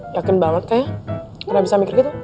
yakin banget kayak gak bisa mikir gitu